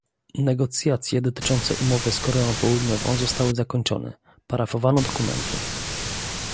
Negocjacje dotyczące umowy z Koreą Południową zostały zakończone, parafowano dokumenty